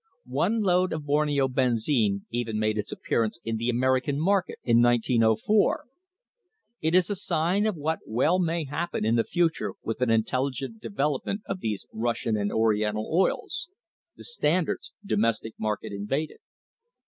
One load of Borneo benzine even made its appearance in the American market in 1904. It is a sign of what well may happen in the future with an intelligent development of these Russian and Oriental oils the Standard's domestic market invaded.